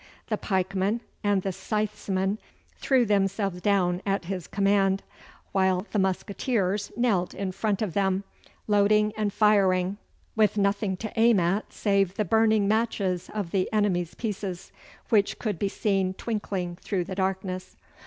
The pikemen and scythesmen threw themselves down at his command, while the musqueteers knelt in front of them, loading and firing, with nothing to aim at save the burning matches of the enemy's pieces, which could be seen twinkling through the darkness.